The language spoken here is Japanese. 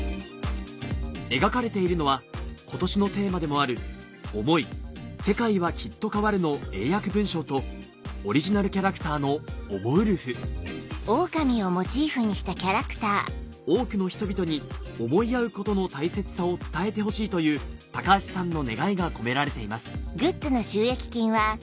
描かれているのは今年のテーマでもある「想い世界は、きっと変わる。」の英訳文章とオリジナルキャラクターのおもウルフ多くの人々に想い合うことの大切さを伝えてほしいという橋さんの願いが込められています